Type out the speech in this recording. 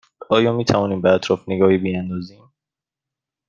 آیا می توانیم به اطراف نگاهی بیاندازیم؟